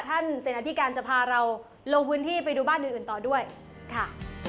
เสนาธิการจะพาเราลงพื้นที่ไปดูบ้านอื่นอื่นต่อด้วยค่ะ